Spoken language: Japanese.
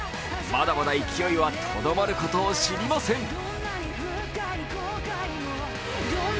まだまだ勢いはとどまることを知りません。